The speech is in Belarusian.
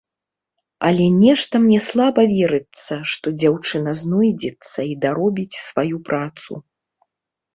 Але нешта мне слаба верыцца, што дзяўчына знойдзецца і даробіць сваю працу.